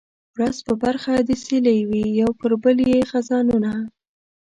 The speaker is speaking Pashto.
ورځ په برخه د سیلۍ وي یو پر بل یې خزانونه